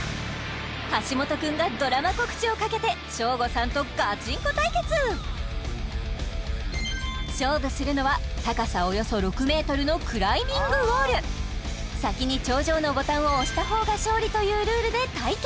橋本君がドラマ告知をかけてショーゴさんとガチンコ対決勝負するのは高さおよそ６ｍの先に頂上のボタンを押した方が勝利というルールで対決